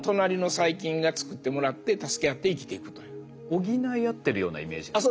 補い合ってるようなイメージですか？